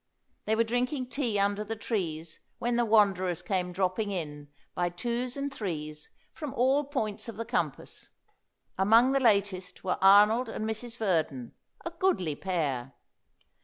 They were drinking tea under the trees when the wanderers came dropping in, by twos and threes, from all points of the compass. Among the latest were Arnold and Mrs. Verdon a goodly pair.